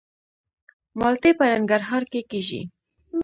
مالټې په ننګرهار کې کیږي